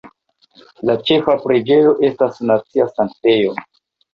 La ĉefa preĝejo estas nacia sanktejo.